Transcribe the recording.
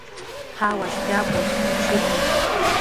Jawash japus mushitna